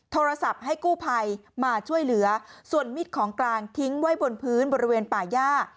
โทรศัพท์ให้กู้ภัยมาช่วยเหลือส่วนมิดของกลางทิ้งไว้บนพื้นบริเวณป่าย่า